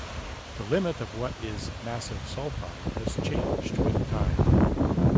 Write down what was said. The limit of what is "massive sulfide" has changed with time.